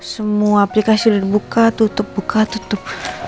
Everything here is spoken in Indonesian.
semua aplikasi sudah dibuka tutup buka tutup